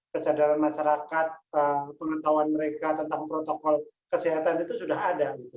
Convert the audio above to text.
kesadaran masyarakat pengetahuan mereka tentang protokol kesehatan itu sudah ada